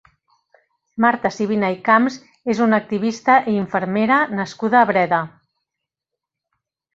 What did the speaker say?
Marta Sibina i Camps és una activista i infermera nascuda a Breda.